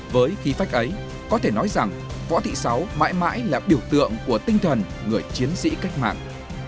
với khí phách ấy có thể nói rằng võ thị sáu mãi mãi là biểu tượng của tinh thần người chiến sĩ cách mạng